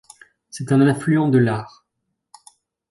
C'est un affluent de l'Aar.